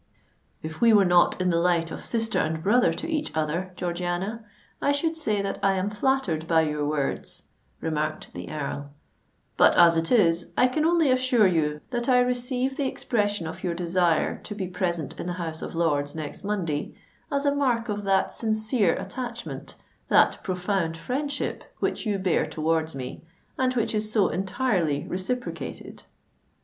"If we were not in the light of sister and brother to each other, Georgiana, I should say that I am flattered by your words," remarked the Earl: "but, as it is, I can only assure you that I receive the expression of your desire to be present in the House of Lords next Monday, as a mark of that sincere attachment—that profound friendship which you bear towards me, and which is so entirely reciprocated."